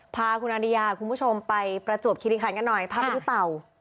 พาคุณอริยาคุณผู้ชมไปประจวบคิริคันกันหน่อยพาไปดูเต่า